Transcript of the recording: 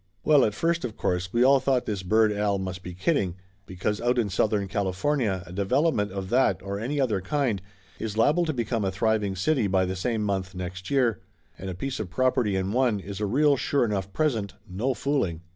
Well, at first of course we all thought this bird Al must be kidding, because out in Southern California a development of that or any other kind is liable to be come a thriving city by the same month next year, and a piece of property in one is a real sure enough present, no fooling!